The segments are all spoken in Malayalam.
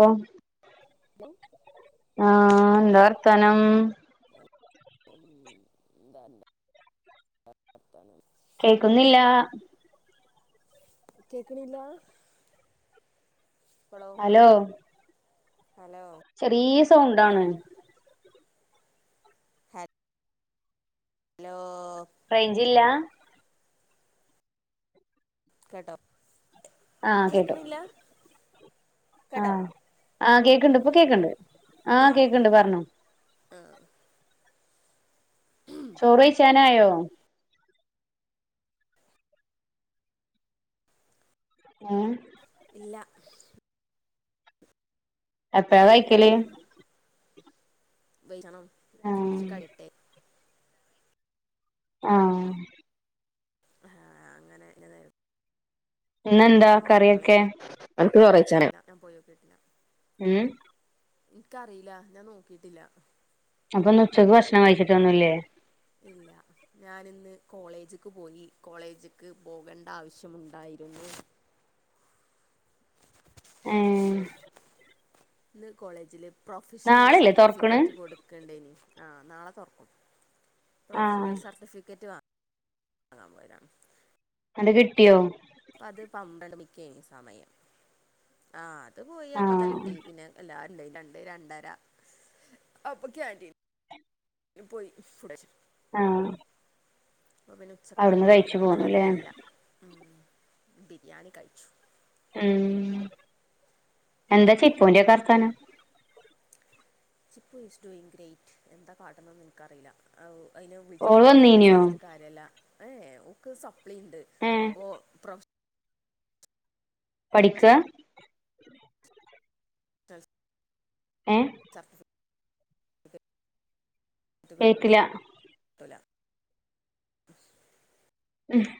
ഓ [unintelligible] ആഹ് എന്താവർതാനം [unintelligible] കേക്കുന്നില്ല- കേക്കണില്ല ഇപ്പളോ? ഹലോ ഹലോ- ചെറിയ സൗണ്ടാണ്- ഹലോ റേഞ്ചില്ല? കേട്ടോ ആഹ് കേട്ടു കേക്കണില്ല കേട്ടോ ആഹ് ആഹ് കേക്കണ്ട് ഇപ്പൊ കേൾക്കണ്ട് ആഹ് കേക്കണ്ട് പറഞ്ഞു ആഹ് ചോർ കയ്ച്ചൻ ആയോ? ഏഹ് ഇല്ല എപ്പഴാ കഴിക്കല്ല്? വെയ്ച്ചാണം ആഹ് കുറച്ച് കയ്യട്ടെ ആഹ് ആഹ് അങ്ങനെ അങ്ങനെ ഇന്നെന്താ ഒല്ല കറിയൊക്കെ എപ്പോഴെങ്കിലും എന കുറച്ചില്ല ഞാൻ പോയിോക്കിയിട്ടില്ല- ഉം. ഇൻക്കറീല ഞാൻനോക്കിട്ടില്ല. അപ്പൊന്ന് ഉച്ചയ്ക്ക് ഭക്ഷണം കയ്ച്ചിട്ടൊന്നില്ലേ? ഇല്ല- ഞാനിന്ന് കോളേജ്ക്ക്പോയി കോളേജ്ക്ക്പോകേണ്ട ആവശ്യമുണ്ടായിരുന്നു. ഏഹ് ഇന്ന് ഇന്ന്കോളേജില് പ്രൊഫഷണൽ നാളെല്ലേ തൊറക്ക്ണ് സർട്ടിഫിക്കറ്റ് കൊട് ക്കൽഇണ്ടയ്നി ആഹ് നാളെതൊർക്കും ആഹ് പ്രൊഫഷണൽ സർട്ടിഫിക്കറ്റ് വാങ്ങ ങ്ങാൻ പോയതാണ്. ന്നട്ട്കിട്ടിയോ? അപ്പത് പമ്പമണിക്കെയ്നിസമയം ആഹ് അത്പോയി ആഹ് അപ്പത്തേകിട്ടി പിന്നെ എല്ലരുണ്ടയ്നി രണ്ട് രണ്ടെര അപ്പൊ ക്യാന്റീൻ ന് പോയി ഫുടയ്ചു. ആഹ് ആപ്പോപിന്നെ അവ്ട്ന്ന് കഴിച്ചു ഉച്ചെക്കെതന്ന് പോന്നുല്ലേ ഇക്കറിയില്ല ഉം ബിരിയാണികയ്ച്ചു. ഉം എന്താചിപ്പൂന്റെക്കെ വർത്താനം? ചിപ്പു ഈസ് ടു ഇൻഗ്രേയ്റ്റ് എന്താ കാട്ട്ണ്ന്ന് ഇൻക്കറില്ല അവ് അയ്ന് വിളിച്ചിട്ട് ഓള് കാര്യല്ല വന്നീനോ മെസേജ്അയച്ചിട്ട് കാര്യല്ല ഏഹേഓൾക്ക് സപ്ലീണ്ട് ഏഹ് അപ്പോപ്രോഫ്ശ് പഠിക്കാഹ്? ഏഹ് [unintelligible] കേട്ടില ട്ടൂല- [unintelligible]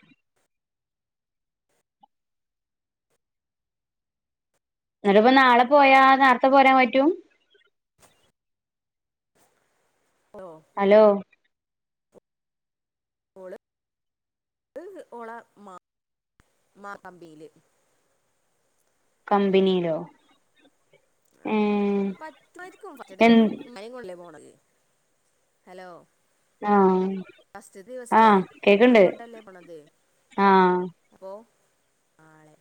ന്നാലുപ്പോ നാളെപോയാ നാർത്തെ പോരാൻപറ്റും? ഹലോ ഹലോ ഓള് ഓളെ മാ [unintelligible] കമ്പനീലോ? അങ്ങനെ പറ്റുവായിരിക്കും ഫറ്റ്ഡേ എൻ ഇമ്മാനിം കൊല്ലേ പോണത് ഹലോ ആഹ് ഫസ്റ്റ് ദിവസല്ലേ ആഹ് കേക്ക്ണ്ട് ഇമ്മാനേം കൊണ്ടല്ലേ പോണത്. ആഹ് എപ്പോ നാളെ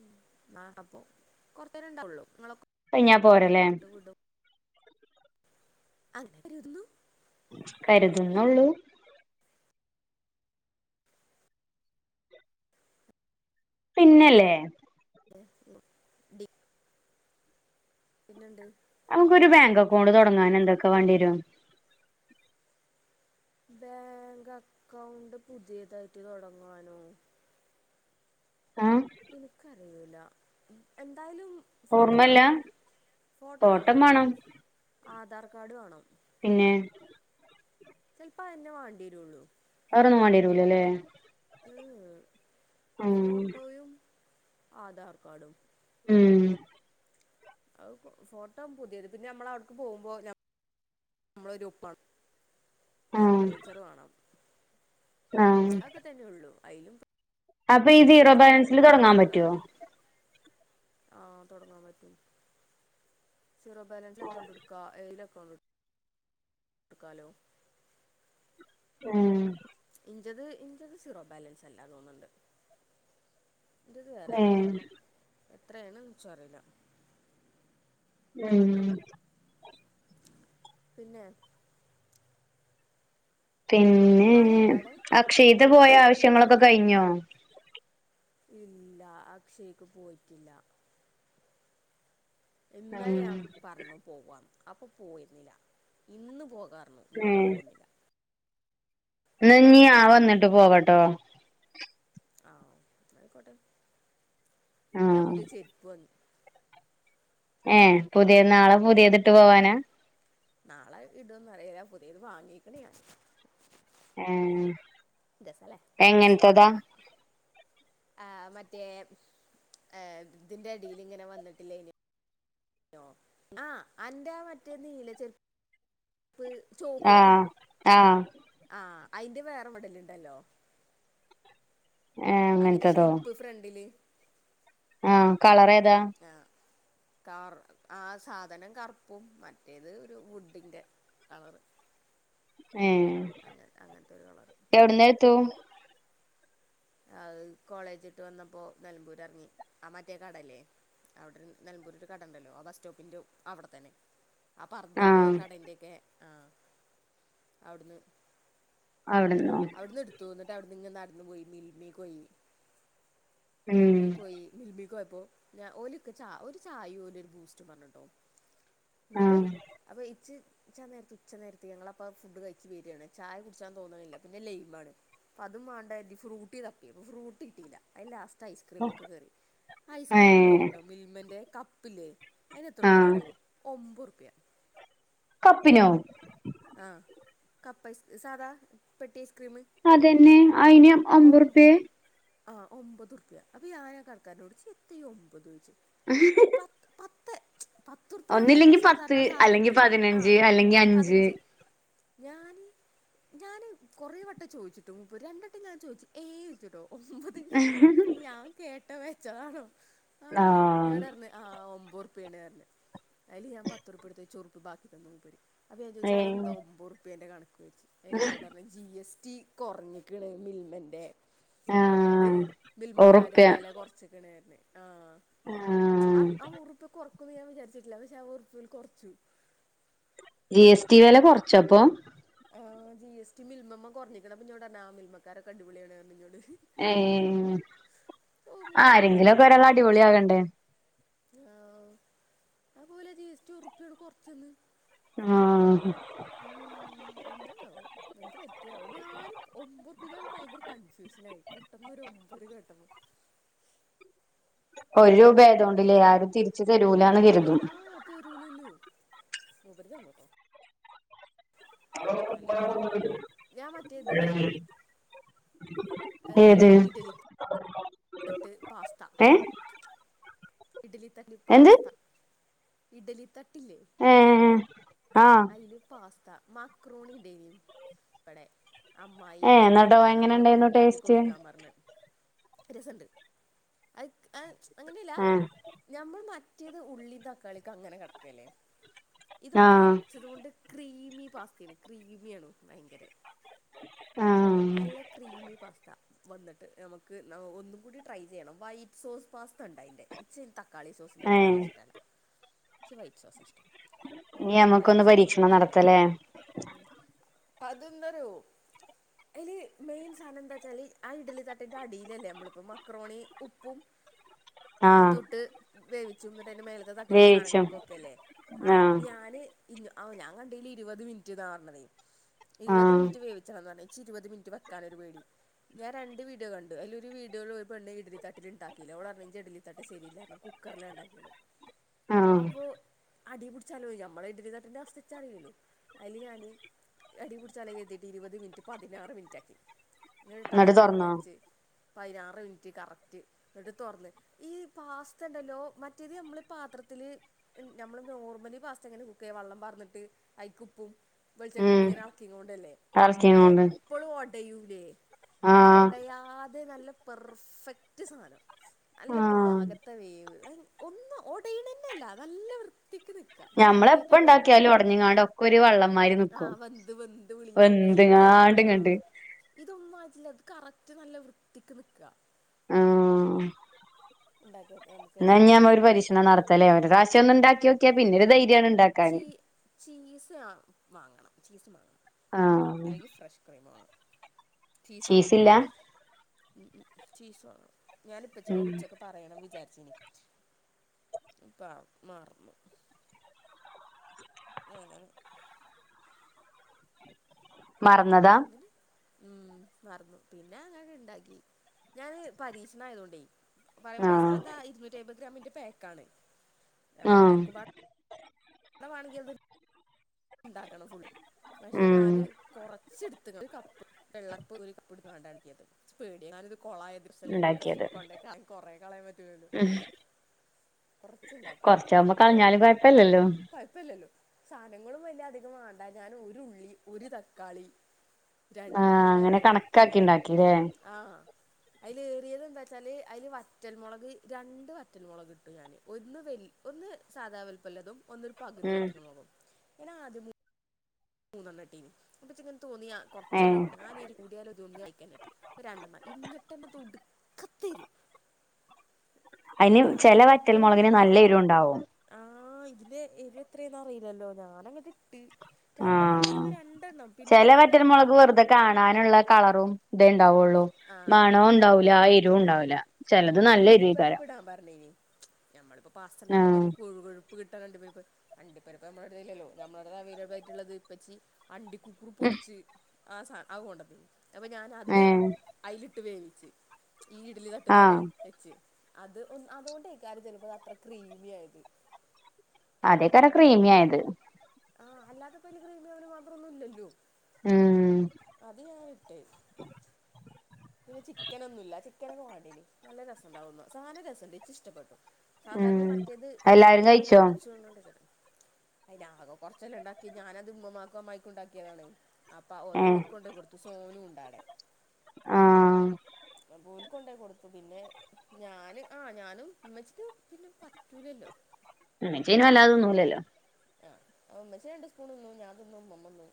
ഉം നാളെപ്പൊ കൊറച്ച് നേരം ഇണ്ടാവൊള്ളു ഇങ്ങളൊക്കെ കയിഞ്ഞാ പോരാ ലെ [unintelligible] വിടും അങ്ങനെ കരുതുന്നു. കരുതുന്നൊള്ളു? പിന്നല്ലേ [unintelligible] പിന്നെണ്ട്. നമുക്കൊരു ബെങ്ക് അക്കൗണ്ട് തൊടങ്ങാന് എന്തൊക്കെ വാണ്ടിവെരും? ബേങ്ക് അക്കൗണ്ട് പുതിയതായിട്ട് തൊടങ്ങാനോ? ആഹ് ഇന്ക്കറിയൂല എന്തായലും ഓർമ്മല്ല ഫോട്ടംമാണം ഫോട്ടം ഫോട്ടംമാണം വേണം ആധാർ കാർഡ് വാണം. പിന്നേ ചെൽപ്പോ അയന്നേ വാണ്ടി വെരൊള്ളു. വേറൊന്നും വാണ്ടി വെരൂലല്ലേ? ഉം ഉം ഉം ഫോട്ടോയും ആധാർ കാർഡും. ഉം അഹ് ഫോട്ടം പുതിയത് പിന്നെ ഞമ്മള് അവടെക്ക് പോവുമ്പോ ഞ നമ്മളെ ഒരു ഒപ്പ് വേണം, ആഹ് സിഗ്നേച്ചറ് വേണം, ആഹ് അതൊക്കെ തന്നെ ഉള്ളൂ അയിലും അപ്പൊ ഈ സീറോ ബാലൻസില് തൊടങ്ങാൻ പറ്റോ? ആഹ് തൊടങ്ങാൻ പറ്റും സിറോ ബാലൻസില് അക്കൗണ്ട് എടുക്കാ ഏതിലും അക്കൗണ്ട് എടുക്ക എടുക്കാലോ ഉം ഇഞ്ചത് ഇൻ്റെത് സീറോ ബാലൻസ് അല്ലാ തോന്ന്ണ്ട് ഇന്റത് വേറെ ഏ ഏതോ ആണ് എത്രയാണെന്ന് എൻച്ചും അറിയില്ല. ഉം പിന്നെ പിന്നെ അക്ഷയത്ത് പോയ ആവശ്യങ്ങളൊക്കെ കയിഞ്ഞോ? ഇല്ല അക്ഷയ്ക്ക് പോയിട്ടില്ല ഇന്നലെ ഉം ഞാൻ പറഞ്ഞു പോവാന്ന് അപ്പൊ പോയിരുന്നില്ല, ഇന്ന് പോകാർഞ്ഞു. ഏ ഇന്നും പോന്നില്ല എന്നാഞ്ഞി ഞാ വന്നിട്ട് പോവട്ടോ ആഹ് എന്നാ ആയിക്കോട്ടെ, ആ ഞാൻ പുതിയ ചെരുപ്പ് വാങ്ങി. ഏഹ് പുതിയ നാളെ പുതിയതിട്ട് പോവാനാ? നാളെ ഇടോന്ന് അറീയില്ല പുതിയത് വാങ്ങീക്ക്ണ് ഞാൻ. ഏഹ് എങ്ങൻത്തതാ? ആഹ് മറ്റേ ഏഹ് ഇതിന്റെ അടീല് ഇങ്ങനെ വന്നട്ടില്ലേ നോ ആഹ് അന്റെ ആ മറ്റേ നീല ചെരു പ്പ് ആഹ് ആഹ് ആഹ് അയിന്റെ വേറെ മോഡലുണ്ടല്ലോ ഏ അങ്ങൻത്തെ അങ്ങനത്തതോ ഷെയപ്പ് ഫ്രണ്ടില് ആഹ് കളറേതാ? ആഹ് കാറ് ആ സാധനം കറുപ്പും മറ്റേത് ഒരു വുഡിന്റെ കളറ് ഏഹ് എവിടന്ന് എത്തൂ അത് കോളേജിട്ട് വന്നപ്പോ നെലമ്പൂർ എറങ്ങി ആഹ് മറ്റേ കടല്ലേ അവിടെ നെലമ്പൂരി ത്തെ കട ഉണ്ടല്ലോ ബസ് സ്റ്റോപ്പിന്റെ അവിടെത്തന്നെ ആഹ് ആ പർദന്റെ കടന്റെ ഒക്കെ ആഹ് അവിടുന്ന് അവിടന്നോ അവിടെന്ന് എടുത്തു എന്നിട്ട് അവിടുന്ന് ഇങ്ങ് നടന്നു പോയി മിൽമി പോയി ഉം മിൽമി പോയി മിൽമിക്കയപ്പോ ഞാ ഓല് ഒരു ചായയും ഒരു ബൂസ്റ്റ് പറഞ്ഞട്ടോ ആ എന്നിട്ട് അപ്പോ എച് ഉച്ച നേരത്തെ ഉച്ച നേരത്ത് ഞങ്ങളപ്പ ഫുഡ് കയിച് വരിയാണ് ചായ കുടിച്ചാൻ തോന്നണില്ല പിന്നെ ലൈം ആണ് അതും വേണ്ടാട്ട് ഫ്രൂട്ടി തപ്പി അപ്പൊ ഫ്രൂട്ടി കിട്ടീല്ല അയിൻ ലാസ്റ്റ് ഐസ്ക്രീം ഒക്കെ കേറി ഐസ്ക്രീം ഏ ഉണ്ടായിനിട്ടോ മിൽമെൻ്റെ കപ്പ് ഇല്ലേ അതിന് എത്ര ആ റുപ്യന്നറിയോ ഒമ്പത് റുപ്യ കപ്പിനോ ആഹ് കപ്പ് ഐസ് സാധാ പെട്ടി ഐസ്ക്രീം അതന്നെ അയിന് ഒമ്പത് റുപ്യാ ആഹ് ഒമ്പത് റുപ്യ അപ്പൊ ഞാന ആ കാകരനോട് ചോയ്ച്ചു എന്താ ഈ ഒമ്പത് ഈഹ് പത്ത് പത്ത് പത്ത് റുപ്പ്യ ആണല്ലോ ഒന്നില്ലെങ്കി പത്ത് സാധാരണ ആ അല്ലെങ്കി സാധനത്തിന് പതിനഞ്ച് ആഹ് അല്ലെങ്കി അഞ്ച് പതിനഞ്ച് ഞാന് ഞാന് കുറെ വട്ടം ചോദിച്ചിട്ടും മുപ്പര് രണ്ടട്ടം ഞാൻ ചോദിച്ചു ഏഹ് ചോച്ചിട്ടോ ഒമ്പത് ഞാൻ കേട്ട പിഴച്ചതാണോ അപ്പൊ ആഹ് എന്നോട് പറഞ് ആഹ് ഒമ്പത് റുപ്പയാണ് പറഞ് അതില് ഞാൻ പത്ത്റുപ്പ എടുത്ത് വെച്ച് ഒരു റുപ്പ ബാക്കി തന്നു മൂപര് ച്ച അതെന്താ ഏഹ് ഒമ്പത് റുപ്പെന്റെ കണക്ക് ചോച്ചു അതില ഇങ്ങോട്ട ജി എസ് ടി കൊറഞ്ഞിക്കണ മിൽമെൻ്റെ അതോണ്ട് ആഹ് മിൽമക്കാര് ഒറുപ്യ വെല കൊറച്ചക്കണ് ആന്ന് അഹ് ആഹ് ആ ആ ഒറുപ്പിയ കൊറക്കുന്നു ഞാൻ വിചാരിച്ചിട്ടില്ല പക്ഷെ ആ ഒറുപ്പിയല് കൊറച്ചു ജി എസ് ടി വെല കൊറച്ച് അപ്പൊ ആഹ് ജി എസ് ടി മിൽമമ്മെ കൊറഞ്ഞിക്കണ് അപ്പൊ ന്നോടറഞ്ഞ് ആ മിൽമക്കാരൊക്കെ അടിപൊളിയാണ് ന്ന് റഞ്ഞു എന്നോട് ഏഹ് ആരെങ്കിലുംക്കെ ഒരാള് അടിപൊളി ആകണ്ടേ ആഹ് അപോലെ ജി എസ് ടി ഒറുപ്പിയോട് കൊറച്ചെന്ന് ആഹ് ഉം എന്താണാവോ എന്ത് പറ്റിയാവോ ഞാനും ഒമ്പറുപ്പിയ ഞാൻ ഭയങ്കര കൺഫ്യൂഷനായി പെട്ടെന്നൊരു ഒമ്പത് കേട്ടപ്പം ഒരു രൂപ ആയതുകൊണ്ടില്ലേ ആരും തിരിച്ച് തരൂലാന്ന് കരുതും തരൂലല്ലോ അവരു തന്നൂട്ടോ നല്ലത് ഞാൻ മറ്റേ ഇത് ഇണ്ടാക്കി ഏഹ് ഏത് ഇഡ്ഡലി [unintelligible] തട്ട് പാസ്ത ഏഹ് ഇഡലി തട്ടില് എന്ത് പാസ്ത ഇഡലി തട്ടില്ലേ ഏഹ് ആഹ് ഇല് പാസ്ത മാക്രോണി ഡെയ്ലി പടെ അമ്മായി ഏഹ് എന്നിട്ടോ തന്നതാണ് എങ്ങനെ അപ്പോല്ക്ക് ഉണ്ടായിരുന്നു ഇണ്ടാക്കി ടേസ്റ്റ് കൊടുക്കാൻ പറഞ്ഞു രസണ്ട് അത് ആഹ് അങ്ങനെലാ ആഹ് ഞമ്മൾ മറ്റേത് ഉള്ളിം തക്കാളിക്ക് അങ്ങനെ കെടക്കല്ലേ ഇതൊക്കെ അര ആഹ് ച്ചതൊണ്ട് ക്രീമി പാസ്തേണ് ക്രീമിയാണ് ഭയങ്കരെ ആഹ് നല്ല ക്രീമി പാസ്ത വന്നിട്ട് നമുക്ക് ന ഒന്നും കൂടി ട്രൈ ചെയ്യണം വൈറ്റ് സോസ് പാസ്ത ഉണ്ട് അയിൻ്റെ ഇച്ച് തക്കാളി സോസിന്റെ ഏഹ് പാസ്ത ഇഷ്ടല്ല ച്ച് വൈറ്റ് സോസ ഇഷ്ടം ഇനി നമുക്കൊന്ന് പരീക്ഷണം നടത്താല്ലേ അതെന്താറിയോ ഇയില് മെയിൻ സാധനം എന്താച്ചാല് ആ ഇഡ്ഡലി തട്ടിന്റെ അടിയിലല്ലേ നമ്മളിപ്പോ മക്രോണി ഉപ്പും [unintelligible] തൊട്ട് വേവിച്ചും എന്നിട്ടയിന്റെ മേലത്തെ തട്ടില് ഈ വേവിച്ചും സാധങ്ങളൊക്കെ വെക്കയല്ലേ ആഹ് ഞാന് ഇല്ല ഓ ഞാൻ കണ്ടേല് ഇരുപത് മിനിറ്റ് എന്നാ പറഞ്ഞതെ ഇരുപത് ആഹ് മിനിറ്റ് വേവിച്ചതാന്നാ പറഞ്ഞേ ച്ച് ഇരുപത് മിനിറ്റ് വെക്കാനൊര് പേടി ഞാൻ രണ്ട് വീഡിയോ കണ്ടു അയിലൊരു വീഡിയോലൊരു പെണ്ണ് ഇഡ്ഡലിതട്ടിലിണ്ടാക്കീല ഓളറഞ്ഞു ഇജ്ജ് ഇഡ്ഡലിതട്ട് ശരിയില്ല കുക്കറിലാ ഉണ്ടാക്കിയത് ആഹ് അപ്പോ അടീപിടിച്ചാലോ ഞമ്മളെ ഇഡ്ഡലിത എന്റെ അവസ്ഥിച്ച അറിയൂലോ അയില് ഞാന് അടിപുടിച്ചാലെങ്കി എത്തിയിട്ട് ഇരുപത് മിനിറ്റ് പതിനാറ് മിനിറ്റാക്കി പിന്നൊരു എന്നിട്ട് ടൈമറൊക്കെ തുറന്നോ വെച്ച് പയിനാറ് മിനിറ്റ് കറക്റ്റ് എന്നിട്ട് തൊറന്ന് ഈ പാസ്ത ഉണ്ടല്ലോ മറ്റേത് യമ്മള് പാത്രത്തില് ഞമ്മള് നോർമലി പാസ്ത എങ്ങനെ കു ഒക്കെ വെള്ളം വാർന്നിട്ട് അയിക്കുപ്പും വെളിച്ചെണ്ണീട്ട് ഉം ഇങ്ങനെ ആക്കി കോണ്ടല്ലേ അയി ഇളക്കിങ്ങോണ്ട് പ്പോളും ഒടയൂലേ ഇത് ആഹ് ഒടയാ തെ നല്ല പെർഫെക്റ്റ് സാധനം നല്ല ആഹ് പാകത്തെ വേവ് അയിന് ഒന്നും ഒടയണേൻ്റെയല്ല നല്ല വൃത്തിക്ക് നിക്ക ഞാൻ ആദ്യായി പ്പ ഒണ്ടാക്കിയാലും ഒടഞ്ഞെങ്കാണ്ടൊക്കൊരു വള്ളംമായിരി നിക്കും വെന്തെങ്ങാണ്ട് ഇങ്ങണ്ട് ഇതൊന്നും ആയിട്ടില്ല ഇത് കറക്റ്റ് നല്ല വൃത്തിക്ക് നിക്ക ആഹ് ഉണ്ടാക്കി നോക്കിയ മ എന്നാ ഞാൻ പോയൊരു പരീക്ഷണം നടത്താല്ലേ ഒരുറാശ്യം ഒന്ന് ഉണ്ടാക്കിയോക്ക്യ പിന്നൊരു ധൈര്യാണ് ഉണ്ടാ ചീ ചീസ് വേണം വാങ്ങണം ചീസും വാങ്ങണം ആഹ് അല്ലെങ്കി ഫ്രഷ് ക്രീം വാങ്ങണം ചീസ് വേണം ചീസില്ല ഉം ഉം ചീസ് വേണം ഞാനിപ്പച്ചിനോട് ഉം ഉച്ചക്ക് പറയണംന്ന് വിചാരിച്ചീന് അപ്പം മറന്നു അങ്ങനെ മറന്നതാ അങ്ങനെ ഉം മറന്നു പിന്നെ അങ്ങനെ ആണ്ട് ഇണ്ടാക്കി ഞാന് പരീക്ഷണായതോണ്ടേ പറയുമ്പോ ആഹ് സാധാ ഇരുന്നൂറ്റൈമ്പത് ഗ്രാമിന്റെ പായ്ക്കാണ് ആഹ് എല്ലാർക്കും വേണെങ്കിൽ അത് ഉണ്ടാക്കണം ഫുൾ പക്ഷെ ഉം ഞാന് കൊറെ ച്ചെടുത്ത് ഒരു കപ്പ് വെള്ളട്ത്ത് കാണ്ടാ കലക്കിയത് ഇച്ച് പേടിയാ എങ്ങാനും ഇത് കോളായാ രസല്ലെങ്കിലോ ഉണ്ടാക്കിയത് കൊണ്ടേക്കാണ്ട് കൊറെ കളയാൻ പറ്റൂലലോ ഉം കുറച്ചുണ്ടാക്കി കൊറച്ചാവുമ്പോ അത് കളഞ്ഞാലും കൊഴപ്പല്ലല്ലോ കൊഴപ്പല്ലല്ലോ സാധനങ്ങളും വല്ല അധികം വേണ്ട ഞാൻ ഒരുള്ളി ഒരു തക്കാളി ആഹ് അങ്ങനെ കണക്കാക്കി ഉണ്ടാക്കിയില്ലേ ആഹ് അതിലേറിയത് എന്താ വെച്ചാല് അതില് വറ്റൽമുളക് രണ്ട് വറ്റൽമുളകിട്ടു ഞാന് ഒന്ന് വലു ഒന്ന് സാധാ വലുപ്പള്ളതും ഒന്നൊരു പകുതി ഉം വറ്റൽ മുളകും ഞാൻ ആദ്യ മൂന്നെണ്ണട്ടീനി അപ്പച്ച് ഇങ്ങനെ തോന്നി ആഹ് കുറച്ചെല്ലേ ഏഹ് ഉള്ളൂ ആ കൂടിയാലോ തോന്നി ഒന്ന് അയിക്കെന്നെ ട്ട് രണ്ടെണ്ണം ഇന്ന്ട്ടന്നെ അതൊടുക്കത്തെ എരു അയിന് ചെല വറ്റൽമുളകിന് നല്ല എരു ഉണ്ടാവും ആഹ് ഇതില് എരു എത്രേന്നറിയില്ലല്ലോ ഞാനങ്ങട്ട് ഇട്ട് ആഹ് ചെല വറ്റൽ മുളക് വെറുതൊ കാണാനുള്ള കളറും ഇതേ ഉണ്ടാവുള്ളൂ മണവും ഉണ്ടാവൂല്ല എരുവും ഉണ്ടാവൂല്ല അണ്ടി പരിപ്പ് ഇടാൻ പറഞ്ഞീനി ഞമ്മളിപ്പോ പാസ്ത ഉണ്ടാക്കുമ്പോ ഒരു ആഹ് കൊഴു കൊഴു കൊഴുപ്പ് കിട്ടാൻ അണ്ടി പരിപ്പ് അണ്ടി പരിപ്പ് നമ്മുടേലില്ലല്ലോ നമ്മളിവിടെ അവൈലബിൾ ആയിട്ടുള്ളത് ഇപ്പച്ചി അണ്ടി കൊപ്ര പൊടിച്ച് ആ സാ അത് കൊണ്ടുവന്നീനി അപ്പം ഞാനത് ഏഹ് അയില് ഇട്ട് വേവിച്ച് ഈ ഇഡ്ഡലി തട്ടിൽ തന്നെ ആഹ് വെച്ച് അത് ഒ അതുകൊണ്ടേക്കാരം ചിലപ്പോ അത് അത്ര ക്രീമി ആയത് അതേകാരം ക്രീമിയായത് ആഹ് അല്ലാതപ്പയ്ല് ക്രീമി ആവാനു മാത്രം ഒന്നുല്ലല്ലോ ഉം അത് ഞാനിട്ട് പിന്നെ ചിക്കനൊന്നുല്ല, ചിക്കനൊക്കെ വാണ്ടീനി. നല്ല രസണ്ടാവുന്ന, സാനം രസണ്ട്, ഇച്ചിഷ്ടപ്പെട്ടു ഉം സാധാരണ മറ്റേത് എല്ലാരും കഴിച്ചോ ഇങ്ങനെക്കട്ച്ചു ണുണ്ടേകേരം അയ്നാകെ കൊർച്ചെല്ലെ ഉണ്ടാക്കിയത്, ഞാനത് ഇമ്മമ്മാക്കും അമ്മായിക്കുണ്ടാക്കിയതാണേയ്. അപ്പൊ അത് ഏഹ് ഓൽക്കൊണ്ടേയിക്കൊടുത്ത് സോനു ണ്ടടെ ആഹ് ഓൽക്ക് കൊണ്ടോയികൊടുത്തു. പിന്നെ ഞാന് ആഹ് ഞാനും ഇമ്മച്ചിക്ക് പിന്നെ പറ്റൂലല്ലോ ഇമ്മച്ചി അയ്‌ന് വല്ലാതെ തിന്നൂലല്ലോ ആഹ് മ്മച്ചി രണ്ട് സ്പൂൺ തിന്നു, ഞാൻ തിന്നു, മ്മമ്മ തിന്നു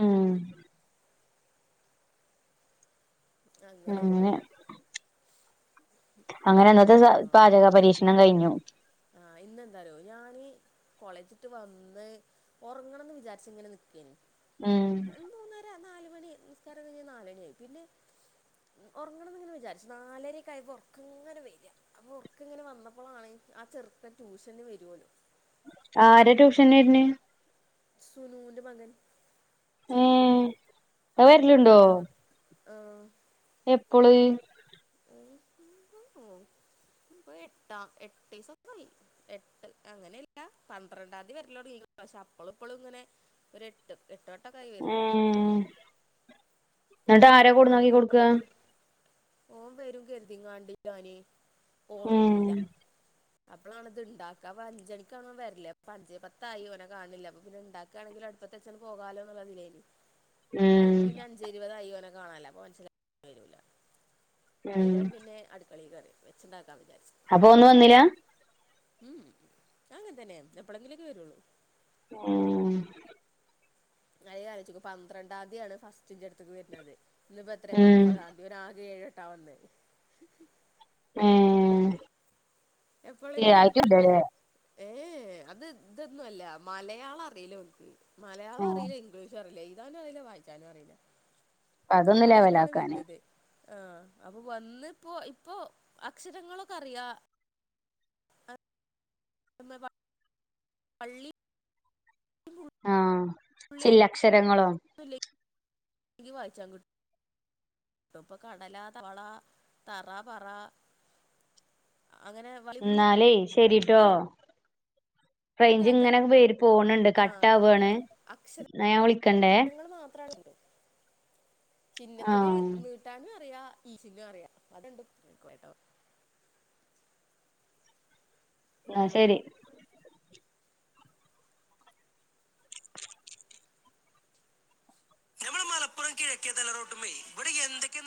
ആഹ് അങ്ങനെ, അങ്ങനെ ഇന്നത്തെ സ പാചക പരീക്ഷണം കഴിഞ്ഞു ആഹ് ഇന്നെന്താറിയോ ഞാന് കോളേജ്ട്ട് വന്ന്, ഒർങ്ങണന്ന് വിചാരിച്ചിങ്ങനെ നിക്കെയ്നി, ഉം എന്തോന്ന് ല്ല. നാല് മണി, നിസ്കാരം ഒക്കെ കഴിഞ്ഞാ നാലണിയായി പിന്നെ ഒർങ്ങണന്ന് ഇങ്ങനെ വിചാരിച്ചു. നാലരൊക്കെ ആയപ്പോ ഒർക്ക്ങ്ങനെ വര അപ്പൊ ഒർക്കങ്ങനെ വന്നപ്പളാണ് ആ ചെർക്കൻ ട്യൂഷന് വര്വല്ലോ ആരാ ട്യൂഷൻന്ന് വര്നെ സുനൂന്റെ മകൻ ചെർത് ഏഹ് അത് വരലുണ്ടോ രണ്ടാമത്ത് ആഹ് എപ്പൊള് ഇപ്പൊ എട്ടാ എട്ടീസൊക്കായി എട്ട് അങ്ങനെല്ല പന്ത്രണ്ടാന്തി വര്ലൊടങ്ങീണ്. പക്ഷെ അപ്പളുംപ്പളുംങ്ങനെ ഒരെട്ട് എട്ട് വട്ടൊക്കായി വര്ന്. ഉം, ന്നട്ടാര കൊട്ന്നാക്കി കൊട്ക്കാ? ഓം വെരും കെര്തിങ്ങാണ്ട് ഞാന് ഉം ഒർങ്ങീല്ല. അപ്പളാണ്ത്ണ്ടാക്ക. അപ്പഞ്ചണിക്കാണോൻ വര്ല്. അപ്പഞ്ചേ പത്തായി ഓനെ കാണ്ണില്ല അപ്പൊ പിന്നെണ്ടാ ക്കാണെങ്കില് അട്പ്പത്തെച്ചങ്ങ്ട് പോകാലോന്നുള്ള ത് ലേനി അയ്ല് പിന്നെ അഞ്ചേ ഇരുപതായി ഓനെ കാണാല്ല. അപ്പൊ മൻസ്സിലായി വരൂലാന്ന്. ഉം അയ്ലാണ് പിന്നെ അട്ക്കളീ കേറിയത് വെച്ച്ണ്ടാക്കാൻ വിചാരിച് അപ്പോന്ന് വന്നിലാ? ഉം ഉം അങ്ങൻതന്നേണ്. എപ്പളെങ്കിലൊക്കെ വെരൊള്ളൂ. ഏഹ് ഞാനിങ്ങനെ ആലോയ്ചോക്കും പന്ത്രണ്ടാന്തിയാണ് ഫസ്റ്റിന്റെട്ത്ത്ക്ക് വെര്ന്നത്. ന്നിപ്പോ എത്രേ ഏഹ് മുപ്പതാം തുവരെ ആകെ ഏഴെട്ടാ വന്നത്. ഏഹ് എപ്പോളെങ്കിലും ക് ഏ ഏഹ് അത് തൊന്നുഅല്ല, മലയാളം അറീലോൻക്ക്. ആഹ് മലയാളോറീല ഇംഗ്ളീഷും അറീല എയ്താനും അറീല വായ്ച്ചാനു അറീല. അതൊന്ന് അപ്പയ്നാണ് ലെവലാക്കാന് വര്ന്നത്. ആഹ് അപ്പൊ വന്ന്പ്പോ ഇപ്പോ അക്ഷരങ്ങളൊക്കറിയാ [unintelligible] വള്ളി ആഹ് ചില്ലക്ഷരങ്ങളോ? [unintelligible] എയ്തി വായിച്ചാൻ ക് ട്ടും. പ്പൊ കടലാ തവളാ തറ പറാ അങ്ങനെ ഇന്നാലേയ് ശെരിട്ടോ. റെയ്ഞ്ച്ങ്ങനെ വര് പോണ്ണ്ട് കട്ടാവാണ്. ഇന്ന ഞാൻ വിളിക്കണ്ടെ. ഇങ്ങള് മാത്രാവടെണ്ട്. ചിഹ്നത്തില് ആഹ് നീട്ടാനൊറിയാ ഈ ചിഹ്ന്നോറിയാ അതണ്ടും ഓൻക്ക് [unintelligible] ഇന്നാ ശെരി. ഞമ്മളെ മലപ്പുറം കിഴക്കേ തലറോട്ടുമ്മേ ഇവിടെ എന്തെക്കെ